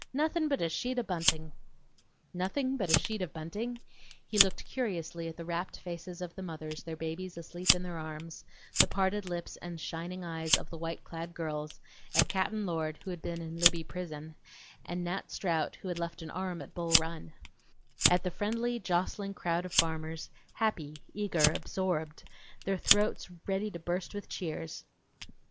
Nothin; but a sheet o' buntin!" Nothing but a sheet of bunting? He looked curiously at the rapt faces of the mothers, their babies asleep in their arms; the parted lips and shining eyes of the white clad girls; at Cap'n Lord, who had been in Libby prison, and Nat Strout, who had left an arm at Bull Run; at the friendly, jostling crowd of farmers, happy, eager, absorbed, their throats ready to burst with cheers.